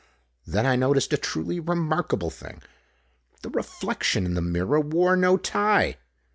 Then I noticed a truly remarkable thing. The reflection in the mirror wore no tie!